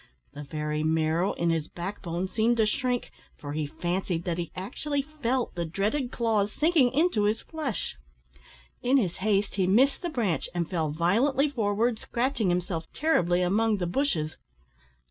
The very marrow in his back bone seemed to shrink, for he fancied that he actually felt the dreaded claws sinking into his flesh. In his haste he missed the branch, and fell violently forward, scratching himself terribly among the bushes.